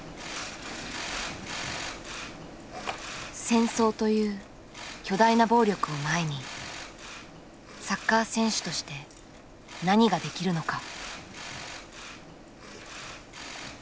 戦争という巨大な暴力を前にサッカー選手として何ができるのか。